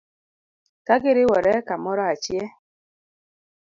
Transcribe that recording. Ka giriwore kamoro achie